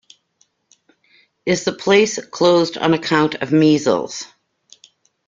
Is the place closed on account of measles?